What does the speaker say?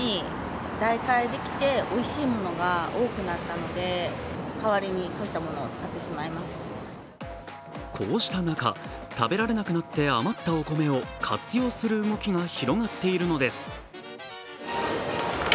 街の人に聞いてみるとこうした中、食べられなくなって余ったお米を活用する動きが広がっているのです。